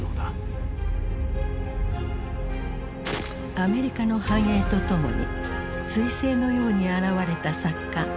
アメリカの繁栄とともにすい星のように現れた作家